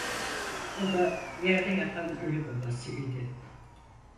O da yerde yatan ölü babası idi.